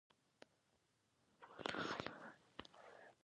خونه کې د جامو د اوتو کولو ځانګړی مېز هم و.